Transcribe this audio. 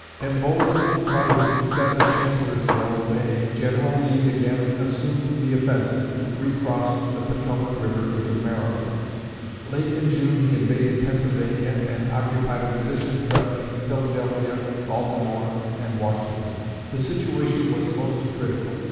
Emboldened by his success at Chancellorsville in May, General Lee again assumed the offensive, and recrossed the Potomac river into Maryland. Late in June he invaded Pennsylvania, and occupied a position threatening Philadelphia, Baltimore, and Washington. The situation was most critical.